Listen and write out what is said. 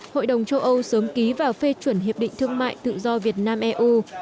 hội đồng châu âu sớm ký và phê chuẩn hiệp định thương mại tự do việt nam eu